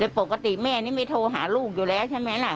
ปกติแม่นี่ไม่โทรหาลูกอยู่แล้วใช่ไหมล่ะ